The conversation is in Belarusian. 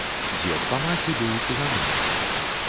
Дзед па маці быў цыганом.